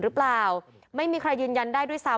หรือเปล่าไม่มีใครยืนยันได้ด้วยซ้ำ